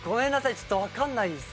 ちょっとわかんないですね。